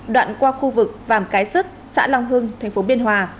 đoạn qua khu vực vàm cái sứt xã long hưng tp biên hòa